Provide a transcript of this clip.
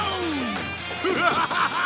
ウハハハハ！